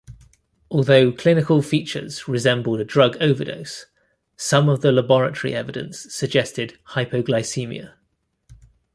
Although clinical features resembled a drug overdose, some of the laboratory evidence suggested hypoglycemia.